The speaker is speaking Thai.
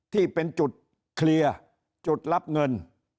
ที่เป็นจุดเคลียร์จุดรับเงิน